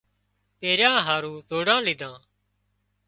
پيريا هارو زوڙان ليڌا